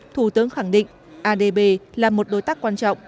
thủ tướng khẳng định adb là một đối tác quan trọng